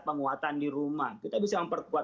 penguatan di rumah kita bisa memperkuat